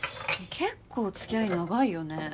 結構付き合い長いよね。